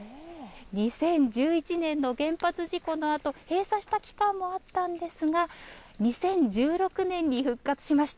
２０１１年の原発事故のあと、閉鎖した期間もあったんですが、２０１６年に復活しました。